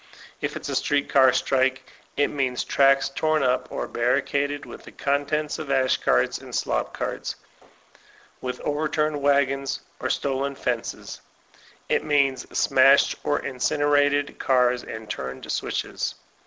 If it's a street car atrike^ it means tracks torn up or barricaded with the contents of ash carts and slop carts, with overturned wagons or stolen fences, it means smashed or incinerated 236 VOLTAIRINE DE ClEYRE cars and turned switches.